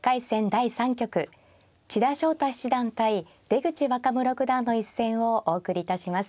第３局千田翔太七段対出口若武六段の一戦をお送りいたします。